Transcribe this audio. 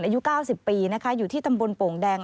อายุ๙๐ปีนะคะอยู่ที่ตำบลโป่งแดง